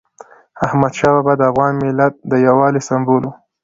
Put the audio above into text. احمدشاه بابا د افغان ملت د یووالي سمبول و.